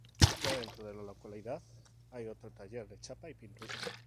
Ya dentro de la localidad, hay otro taller de chapa y pintura.